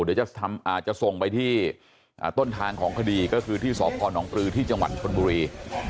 เดี๋ยวจะส่งไปที่ต้นทางของคดีก็คือที่สพนปลือที่จังหวัดชนบุรี